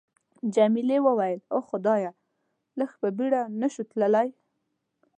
جميلې وويل:: اوه خدایه، لږ په بېړه نه شو تللای؟